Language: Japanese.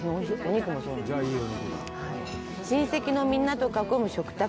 親戚のみんなと囲む食卓。